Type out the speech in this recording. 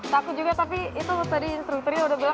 takut juga tapi itu tadi instrukturnya udah bilang